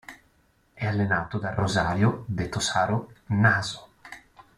È allenato da Rosario, detto "Saro", Naso.